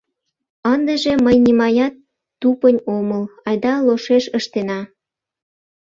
— Ындыже мый нимаят тупынь омыл, айда лошеш ыштена.